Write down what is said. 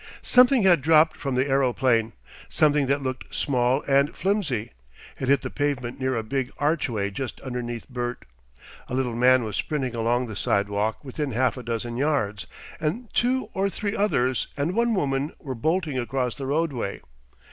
Something had dropped from the aeroplane, something that looked small and flimsy. It hit the pavement near a big archway just underneath Bert. A little man was sprinting along the sidewalk within half a dozen yards, and two or three others and one woman were bolting across the roadway.